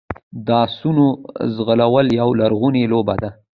د اسونو ځغلول یوه لرغونې لوبه ده.